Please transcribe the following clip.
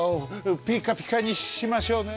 ピッカピカにしましょうね。